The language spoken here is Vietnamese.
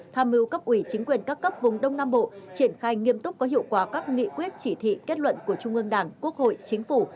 tham mưu cấp ủy chính quyền các cấp vùng đông nam bộ triển khai nghiêm túc có hiệu quả các nghị quyết chỉ thị kết luận của trung ương đảng quốc hội chính phủ